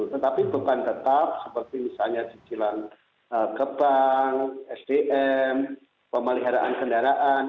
tetapi bukan tetap seperti misalnya cicilan kebang sdm pemeliharaan kendaraan